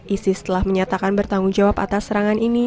isis telah menyatakan bertanggung jawab atas serangan ini